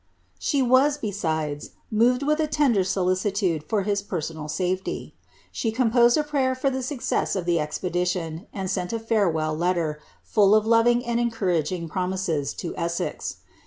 She was, besides, moved with a tender solicitude for his personal safely. She composed a prayer for the success of the eipedi lion, and sent a farewell letter, full of loving and encouraging promise*. lo Essex.